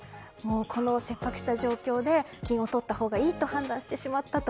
この切迫した状況で金をとったほうがいいと判断してしまったと。